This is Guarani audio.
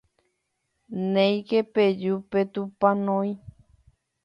néike peju petupãnói.